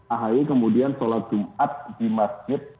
ahy kemudian sholat jumat di masjid